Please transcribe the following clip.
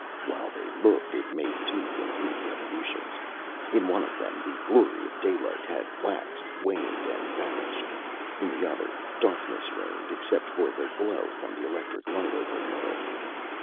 While they looked, it made two complete revolutions. In one of them the glory of daylight had waxed, waned, and vanished. In the other, darkness reigned except for the glow from the electric light overhead.